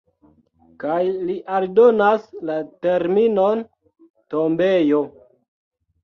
Kaj li aldonas la terminon "tombejo".